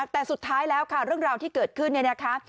แต่สุดท้ายแล้วค่ะเรื่องราวที่เกิดขึ้นเนี่ยนะคะ